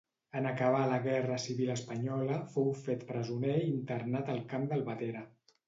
En acabar la guerra civil espanyola fou fet presoner i internat al camp d'Albatera.